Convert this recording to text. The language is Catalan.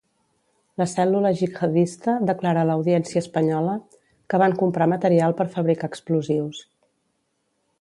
La cèl·lula gihadista declara a l'Audiència espanyola que van comprar material per fabricar explosius.